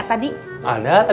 masih berani kamu